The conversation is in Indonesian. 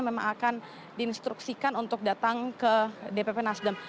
memang akan diinstruksikan untuk datang ke dpp nasdem